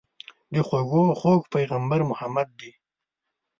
د خوږو خوږ پيغمبر محمد دي.